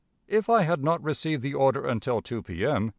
If I had not received the order until 2 P. M.